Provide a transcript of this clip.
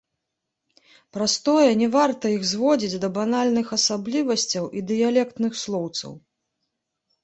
Праз тое не варта іх зводзіць да банальных асаблівасцяў і дыялектных слоўцаў.